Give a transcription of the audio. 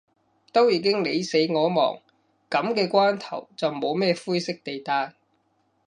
都已經你死我亡，噉嘅關頭，就冇咩灰色地帶